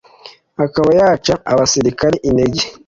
akaba yaca abasirikare intege,